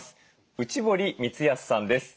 内堀光康さんです。